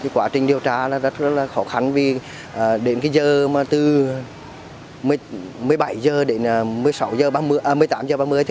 quá trình điều tra rất khó khăn vì đến giờ một mươi bảy h đến một mươi tám h ba mươi